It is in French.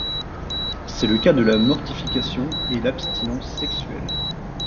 C'est le cas de la mortification et l'abstinence sexuelle.